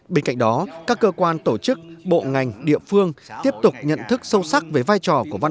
bên cạnh đó các cơ quan tổ chức bộ ngành địa phương tiếp tục nhận thức sâu sắc về vai trò của văn